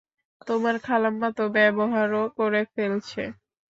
তোমার খালাম্মা তো ব্যবহারও করে ফেলছে।